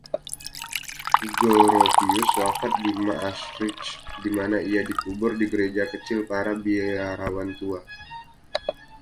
Goropius wafat di Maastricht, di mana ia dikubur di gereja kecil para biarawan tua.